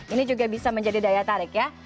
ini juga bisa menjadi daya tarik ya